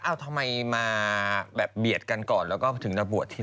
เอาทำไมมาแบบเบียดกันก่อนแล้วก็ถึงจะบวชที